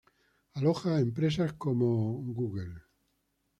Aloja a empresas como Google.